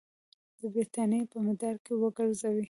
د برټانیې په مدار کې وګرځوي.